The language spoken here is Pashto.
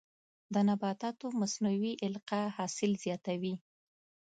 د نباتاتو مصنوعي القاح حاصل زیاتوي.